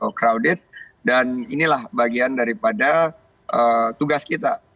over capacity atau crowded dan inilah bagian daripada tugas kita